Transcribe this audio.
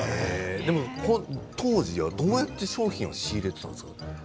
当時は、どうやって商品を仕入れていたんですか？